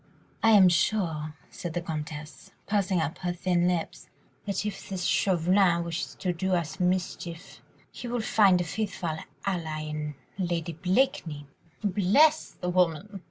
"I am sure," said the Comtesse, pursing up her thin lips, "that if this Chauvelin wishes to do us mischief, he will find a faithful ally in Lady Blakeney." "Bless the woman!"